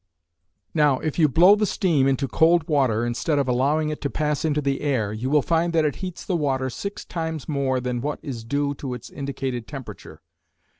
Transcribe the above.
Now, if you blow the steam into cold water instead of allowing it to pass into the air, you will find that it heats the water six times more than what is due to its indicated temperature.